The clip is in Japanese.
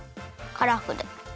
カラフル？